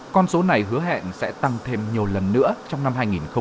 con số này hứa hẹn sẽ tăng thêm nhiều lần nữa trong năm hai nghìn một mươi chín hai nghìn hai mươi